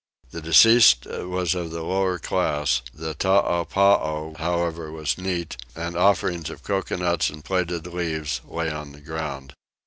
The deceased was of the lower class; the Toopapow however was neat, and offerings of coconuts and plaited leaves lay on the ground.